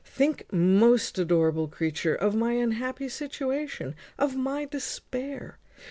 Think, most adorable creature, of my unhappy situation, of my despair.